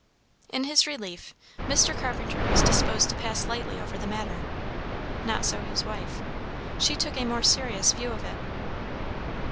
In his relief Mr. Carpenter was disposed to pass lightly over the matter. Not so his wife. She took a more serious view of it.